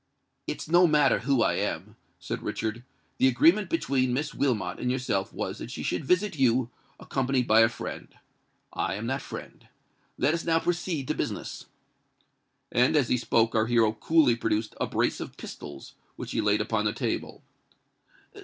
"It's no matter who I am," said Richard. "The agreement between Miss Wilmot and yourself was that she should visit you, accompanied by a friend:—I am that friend. Let us now proceed to business." And as he spoke, our hero coolly produced a brace of pistols, which he laid upon the table.